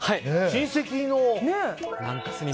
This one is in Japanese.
親戚の？